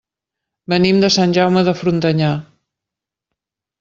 Venim de Sant Jaume de Frontanyà.